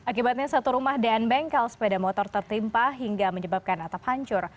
akibatnya satu rumah dan bengkel sepeda motor tertimpa hingga menyebabkan atap hancur